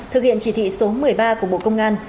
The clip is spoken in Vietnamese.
thực hiện chỉ thị số một mươi ba của bộ công an